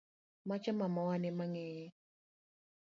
Macha mamawa an emaang'eye.